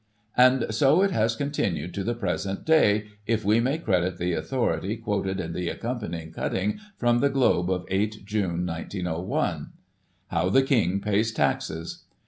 275 And so it has continued to the present day, if we may credit the authority quoted in the accompanying cutting from the Globe of 8 June, 1901 :" How the King Pays Taxes.